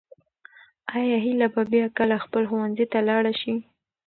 آیا هیله به بیا کله خپل ښوونځي ته لاړه شي؟